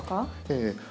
ええ。